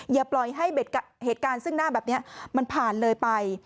อย่าปล่อยให้เหตุการณ์ซึ่งหน้าแบบนี้มันผ่านเลยไป